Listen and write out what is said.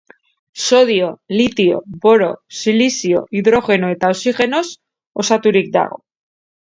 Sodio, litio, boro, silizio, hidrogeno eta oxigenoz osaturik dago.